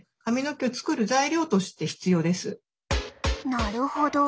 なるほど。